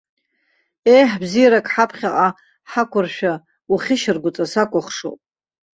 Еҳ, бзиарак ҳаԥхьаҟа ҳақәыршәа, ухьышьаргәыҵа сакәыхшоуп!